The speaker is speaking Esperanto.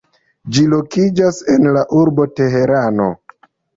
Ĝi lokiĝas en la urbo Teherano.